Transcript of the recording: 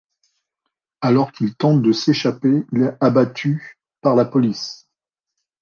Alors qu'il tente de s'échapper, il est abattu par la police.